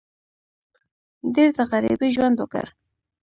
ډېر د غریبۍ ژوند وکړ.